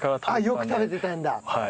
よく食べてたんだ。